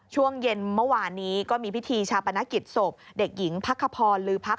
ช่วงเย็นเมื่อวานนี้ก็มีพิธีชาปนกิจศพเด็กหญิงพักขพรลือพัก